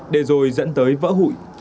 để rồi dẫn tới vỡ hủy